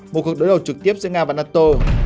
một cuộc đối đầu trực tiếp giữa nga và nato